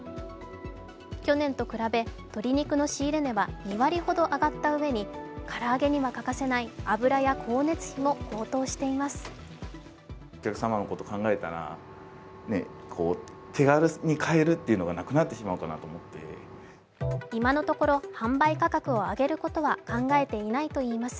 去年と比べ鶏肉の仕入れ値は２割ほど上がったうえに唐揚げには欠かせない油や光熱費も高騰しています。